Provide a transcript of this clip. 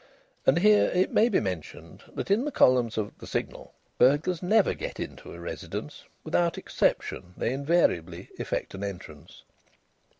And here it may be mentioned that in the columns of the Signal burglars never get into a residence; without exception they invariably effect an entrance.)